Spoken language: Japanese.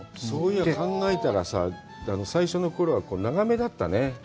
そう考えたらさぁ、最初のころは長めだったね。